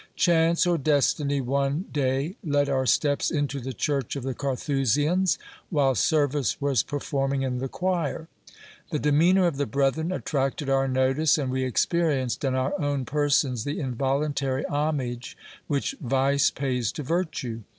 Chance or destiny one day led our steps into the church of the Carthusians, while service was performing in the choir. The demeanour of the brethren attracted our notice, and we experienced in our own persons the involuntary homage which vice pays to vir tue.